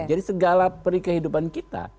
jadi segala perkehidupan kita